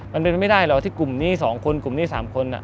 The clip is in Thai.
มันเป็นไม่ได้หรอกที่กลุ่มนี้๒คนกลุ่มนี้๓คน